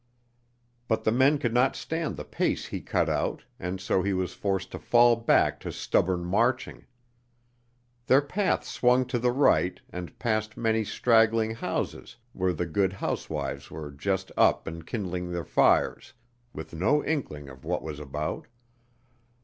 But the men could not stand the pace he cut out and so he was forced to fall back to stubborn marching. Their path swung to the right, and past many straggling houses where the good housewives were just up and kindling their fires, with no inkling of what was about.